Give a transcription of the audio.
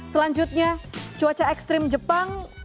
selanjutnya cuaca ekstrim jepang